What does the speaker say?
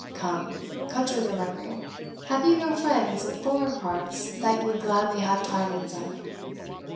Come, cudgel your memory. Have you no friends in foreign parts that you would gladly have tidings of?"